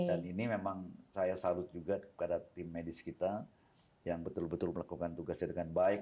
dan ini memang saya salut juga kepada tim medis kita yang betul betul melakukan tugasnya dengan baik